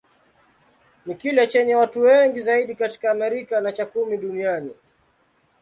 Ni kile chenye watu wengi zaidi katika Amerika, na cha kumi duniani.